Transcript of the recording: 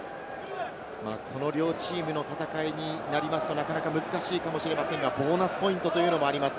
両チームの戦いになりますと、なかなか難しいかもしれませんが、ボーナスポイントというのもあります。